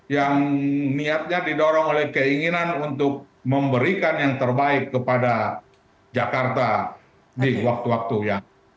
yang niatnya didorong oleh keinginan untuk memberikan yang terbaik kepada jakarta di waktu waktu yang